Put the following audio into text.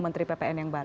menteri ppn yang baru